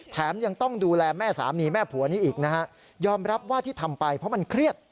แถมยังต้องดูแลแม่สามีแม่ผัวนี้อีกนะฮะยอมรับว่าที่ทำไปเพราะมันเครียด